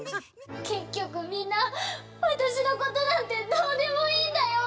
けっきょくみんなわたしのことなんてどうでもいいんだよ！